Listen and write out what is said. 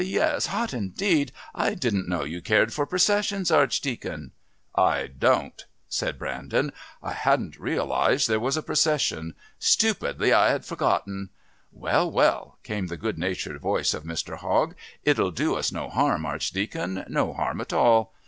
Yes.... Hot indeed. I didn't know you cared for processions, Archdeacon " "I don't," said Brandon. "I hadn't realised that there was a procession. Stupidly, I had forgotten " "Well, well," came the good natured voice of Mr. Hogg. "It'll do us no harm, Archdeacon no harm at all.